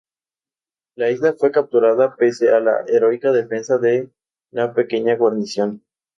La isla fue capturada pese a la heroica defensa de la pequeña guarnición.